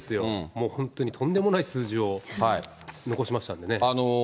もう本当にとんでもない数字を残しましたんでね。